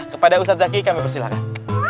kepada ustadz jaki kami persilakan